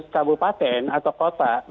tiga ratus kabupaten atau kota